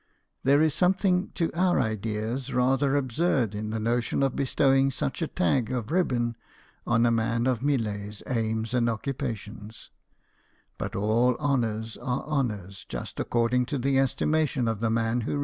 There is something to our ideas rather absurd in the notion of bestowing such a tag of ribbon on a man of Millet's aims and occupations ; but all honours are honours just according to the estimation of the man who 132 BIOGRAPHIES OF WORKING MEN.